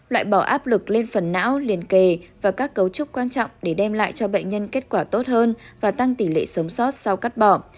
loại bỏ áp lực lên phần não liền kề và các cấu trúc quan trọng để đem lại cho bệnh nhân kết quả tốt hơn và tăng tỷ lệ sống sót sau cắt bỏ